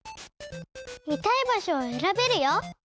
見たいばしょをえらべるよ！